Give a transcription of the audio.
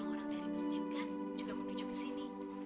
iya orang orang dari masjid juga mau duju kesini